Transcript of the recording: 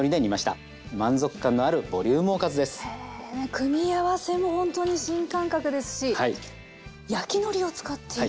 組み合わせもほんとに新感覚ですし焼きのりを使っていく。